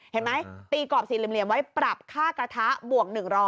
เห็นไหมตีกรอบสี่เหลี่ยมไว้ปรับค่ากระทะบวก๑๐๐